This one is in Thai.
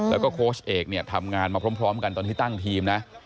แล้วก็โค้ชเอกเนี่ยทำงานมาพร้อมกันตอนที่ตั้งทีมนะ